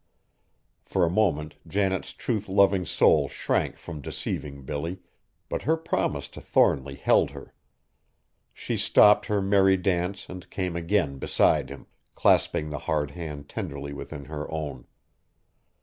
For a moment Janet's truth loving soul shrank from deceiving Billy, but her promise to Thornly held her. She stopped her merry dance and came again beside him, clasping the hard hand tenderly within her own.